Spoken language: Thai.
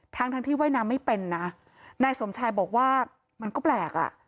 ทั้งทั้งที่ว่ายน้ำไม่เป็นนะนายสมชายบอกว่ามันก็แปลกอ่ะ